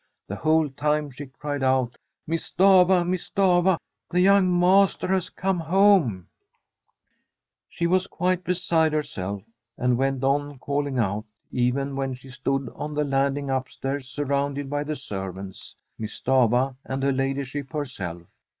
The whole time she cried out, ' Miss Stafva, Miss Stafva ! the young master has come home !' She was quite beside herself, and went on call ing out, even when she stood on the landing up stairs, surrounded by the servants. Miss Stafva, and her ladyship herself.